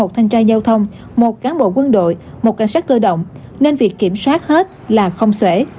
một thanh tra giao thông một cán bộ quân đội một cảnh sát cơ động nên việc kiểm soát hết là không xuể